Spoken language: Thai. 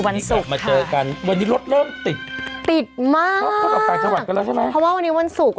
วันศุกร์ค่ะมาเจอกันวันนี้รถเริ่มติดติดมากเพราะว่าวันนี้วันศุกร์